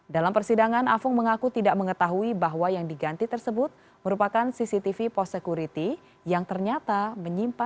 dalam persidangan afung mengaku tidak mengetahui bahwa yang diganti tersebut merupakan cctv post security yang ternyata menyimpan